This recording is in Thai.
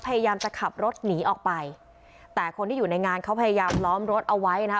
พยายามจะขับรถหนีออกไปแต่คนที่อยู่ในงานเขาพยายามล้อมรถเอาไว้นะคะ